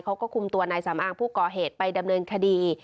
เขาก็คุมตัวนายสำอางผู้ก่อเหตุไปดำเนินคดี